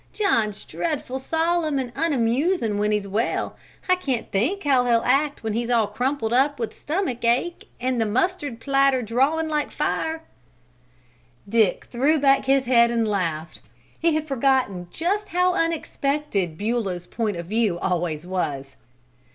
John's dreadful solemn and unamusin' when he's well, and I can't think how he'll act when he's all crumpled up with stomach ache, an' the mustard plaster drawin' like fire." Dick threw back his head and laughed. He had forgotten just how unexpected Beulah's point of view always was.